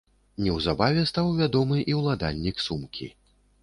Неўзабаве стаў вядомы і ўладальнік сумкі.